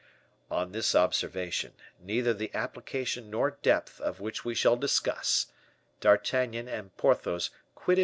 On this observation, neither the application nor depth of which we shall discuss, D'Artagnan and Porthos quitted M.